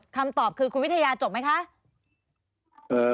กันหมดคำตอบคือคุณวิทยาจบไหมค่ะเออ